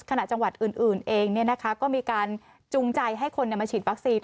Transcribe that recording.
จังหวัดอื่นเองก็มีการจูงใจให้คนมาฉีดวัคซีน